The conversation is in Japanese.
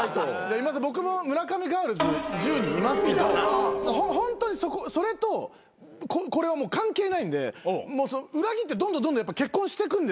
僕も村上ガールズ１０人いますけどホントにそれとこれは関係ないんで裏切ってどんどんどんどんやっぱ結婚してくんで。